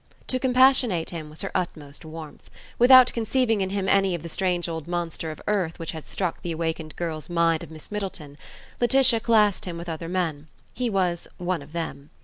To compassionate him was her utmost warmth. Without conceiving in him anything of the strange old monster of earth which had struck the awakened girl's mind of Miss Middleton, Laetitia classed him with other men; he was "one of them".